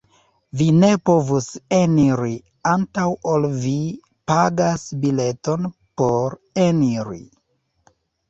Vi ne povus eniri antaŭ ol vi pagas bileton por eniri.